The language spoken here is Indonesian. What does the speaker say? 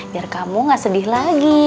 biar kamu gak sedih lagi